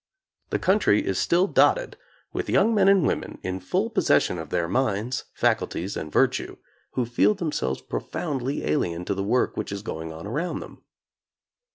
The country is still dotted with young men and women, in full possession of their minds, faculties and vir tue, who feel themselves profoundly alien to the work which is going on around them.